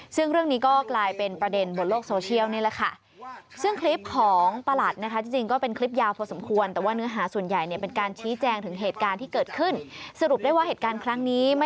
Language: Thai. ซึ่งเรื่องนี้ก็กลายเป็นประเด็นบนโลกโซเชียลนี่แหละค่ะ